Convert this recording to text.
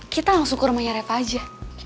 kita langsung ke rumahnya reva aja